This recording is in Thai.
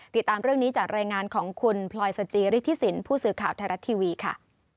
ติดตามเรื่องนี้จากรายงานของคุณพลอยสจิริธิสินผู้สื่อข่าวไทยรัฐทีวีค่ะ